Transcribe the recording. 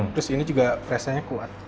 terus ini juga press nya kuat